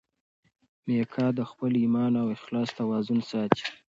میکا د خپل ایمان او اخلاص توازن ساتي.